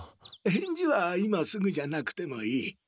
返事は今すぐじゃなくてもいい。